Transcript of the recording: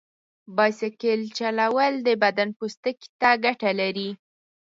بایسکل چلول د بدن پوستکي ته ګټه لري.